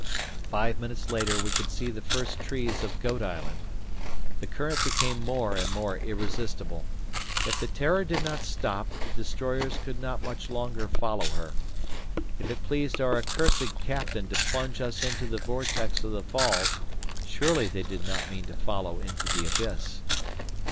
Five minutes later, we could see the first trees of Goat Island. The current became more and more irresistible. If the "Terror" did not stop, the destroyers could not much longer follow her. If it pleased our accursed captain to plunge us into the vortex of the falls, surely they did not mean to follow into the abyss!